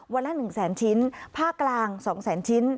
วันละหนึ่งแสนชิ้นภาคกลางสองแสนชิ้น